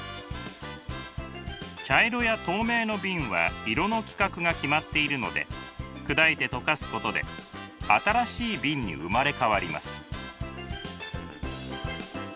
茶色や透明の瓶は色の規格が決まっているので砕いて溶かすことで新しい瓶に生まれ変わります。